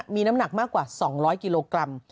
มีน้ำหนักมากกว่า๒๐๐กิโลกรัม